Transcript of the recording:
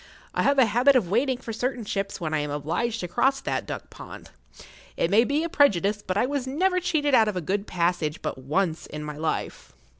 I have a habit of waiting for certain ships when I am obliged to cross that duck pond. It may be a prejudice, but I was never cheated out of a good passage but once in my life.